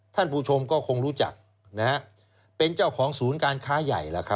ท่านผู้ชมก็คงรู้จักเป็นเจ้าของศูนย์การค้าใหญ่